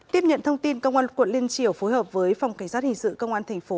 tiếp nhận thông tin công an quận liên triều phối hợp với phòng cảnh sát hình sự công an thành phố